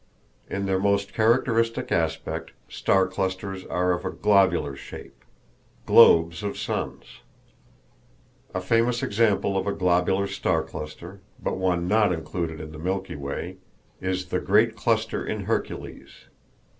In their most characteristic aspect star clusters are of a globular shape—globes of suns! A famous example of a globular star cluster, but one not included in the Milky Way, is the "Great Cluster in Hercules."